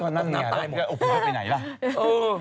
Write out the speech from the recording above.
ตอนนั้นเนี่ยแล้วก็อพยพไปไหนล่ะโอ้